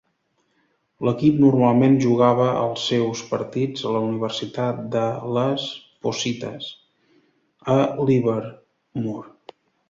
L'equip normalment jugava els seus partits a la Universitat de Las Positas, a Livermore.